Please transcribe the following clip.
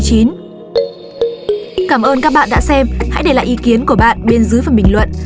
cảm ơn các bạn đã xem hãy để lại ý kiến của bạn bên dưới phần bình luận